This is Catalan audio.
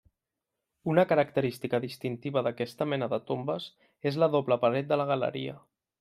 Una característica distintiva d'aquesta mena de tombes és la doble paret de la galeria.